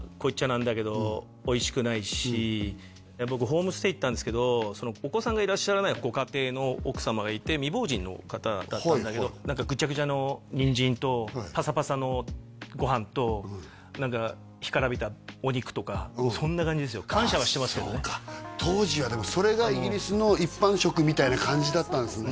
なんだけどおいしくないし僕ホームステイ行ったんですけどお子さんがいらっしゃらないご家庭の奥様がいて未亡人の方だったんだけどとかそんな感じですよ感謝はしてますけどね当時はでもそれがイギリスの一般食みたいな感じだったんですね